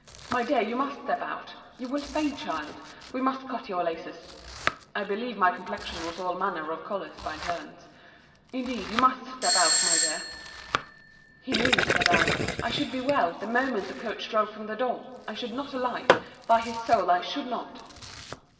—My dear you must step out—You will faint, child—We must cut your laces.—[I believe my complexion was all manner of colours by turns]—Indeed, you must step out, my dear. He knew, said I, I should be well, the moment the coach drove from the door. I should not alight. By his soul, I should not.